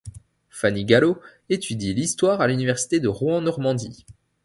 Fanny Gallot étudie l'histoire à l'université de Rouen-Normandie.